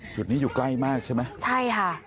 จุดนี้อยู่ใกล้มากใช่ไหมใช่ค่ะ